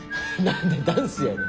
何でダンスやねん。